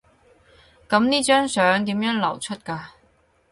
噉呢張相點樣流出㗎？